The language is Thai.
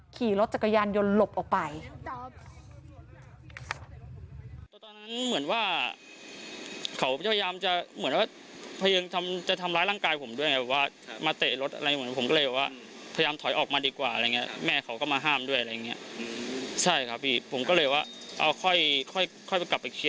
ขี่รถจักรยานยนต์หลบออกไป